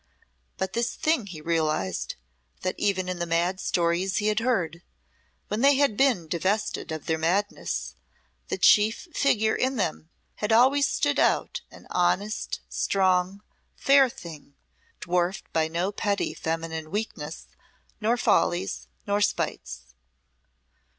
But this thing he realised, that even in the mad stories he had heard, when they had been divested of their madness, the chief figure in them had always stood out an honest, strong, fair thing, dwarfed by no petty feminine weakness, nor follies, nor spites.